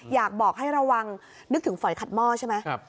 อยากบอกให้ระวังนึกถึงฝอยขัดหม้อใช่ไหม